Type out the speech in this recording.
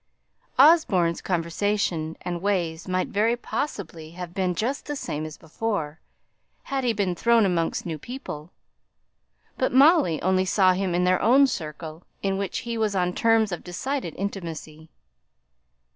Osborne's conversation and ways might very possibly have been just the same as before, had he been thrown amongst new people; but Molly only saw him in their own circle in which he was on terms of decided intimacy.